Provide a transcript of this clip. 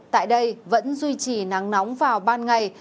tại đây vẫn duy trì nắng nóng vào ban ngày